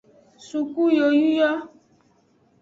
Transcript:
Suku yoyuwo.